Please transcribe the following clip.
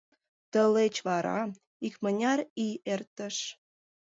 Тылеч вара икмыняр ий эртыш.